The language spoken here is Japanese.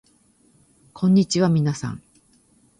こんにちはみなさん